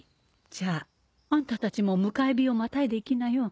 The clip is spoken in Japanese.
じゃああんたたちも迎え火をまたいでいきなよ。